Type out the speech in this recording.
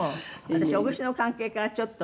私おぐしの関係からちょっと。